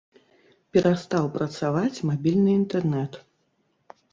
Перастаў працаваць мабільны інтэрнэт.